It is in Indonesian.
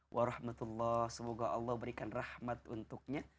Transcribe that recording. warahmatullah semoga allah berikan rahmat untuknya